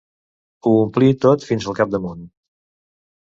Ho omplí tot fins al capdamunt.